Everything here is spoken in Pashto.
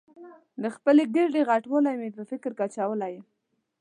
د خپلې ګېډې غټوالی مې په فکر کې اچولې یم.